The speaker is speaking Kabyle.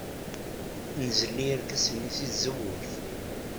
Nzelli irkasen-nni seg tzewwut.